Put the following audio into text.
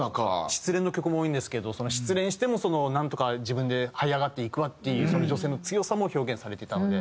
失恋の曲も多いんですけど失恋してもなんとか自分ではい上がっていくわっていうその女性の強さも表現されていたので。